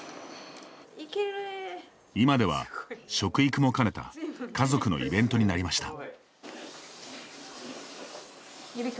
今では、食育も兼ねた家族のイベントになりました。